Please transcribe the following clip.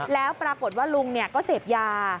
แล้วปรากฏว่าลุงก็เสพยา